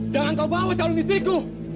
jangan kau bawa calon istriku